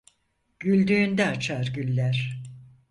Güldüğünde açar güller.